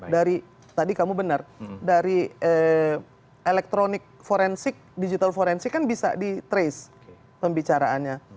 dari tadi kamu benar dari elektronik forensik digital forensik kan bisa di trace pembicaraannya